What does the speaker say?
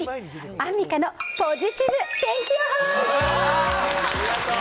アンミカのポジティブ天気予報。